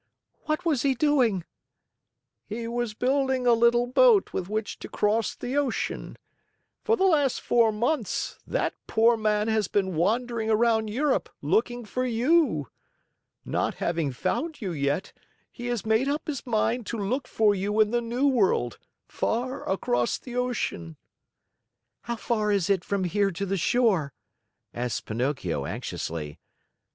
"What was he doing?" "He was building a little boat with which to cross the ocean. For the last four months, that poor man has been wandering around Europe, looking for you. Not having found you yet, he has made up his mind to look for you in the New World, far across the ocean." "How far is it from here to the shore?" asked Pinocchio anxiously.